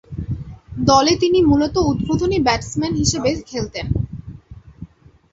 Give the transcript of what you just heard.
দলে তিনি মূলতঃ উদ্বোধনী ব্যাটসম্যান হিসেবে খেলতেন।